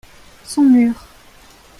son mur.